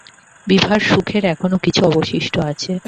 বিভার সুখের এখনো কিছু অবশিষ্ট আছে।